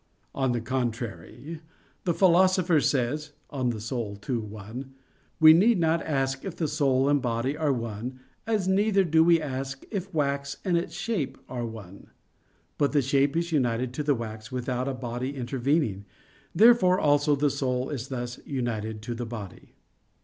On the contrary, The Philosopher says (De Anima ii, 1): "We need not ask if the soul and body are one, as neither do we ask if wax and its shape are one." But the shape is united to the wax without a body intervening. Therefore also the soul is thus united to the body.